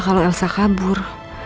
kalau elsa kabur